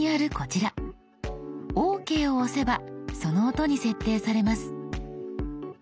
「ＯＫ」を押せばその音に設定されます。